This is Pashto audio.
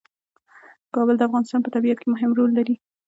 کابل د افغانستان په طبیعت کې مهم رول لري.